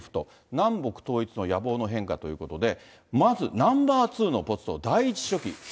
南北統一の野望の変化ということで、まずナンバー２のポスト、第１書記。